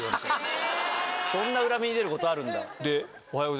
そんな裏目に出ることあるんだ。